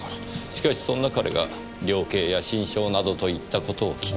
しかしそんな彼が量刑や心証などといった事を気にしている。